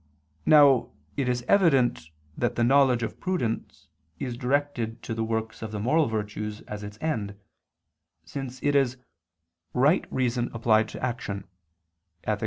Now it is evident that the knowledge of prudence is directed to the works of the moral virtues as its end, since it is "right reason applied to action" (Ethic.